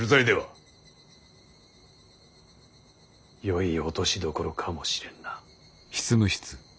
よい落としどころかもしれんな。